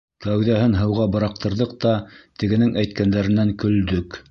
Кәүҙәһен һыуға быраҡтырҙыҡ та тегенең әйткәндәренән көлдөк.